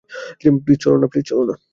Please, চল না।